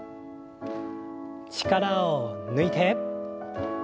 力を抜いて。